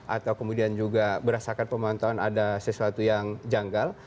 atau kemudian juga berasakan pemontongan ada sesuatu yang janggal